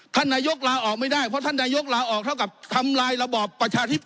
ท่านนายกลาออกไม่ได้เพราะท่านนายกลาออกเท่ากับทำลายระบอบประชาธิป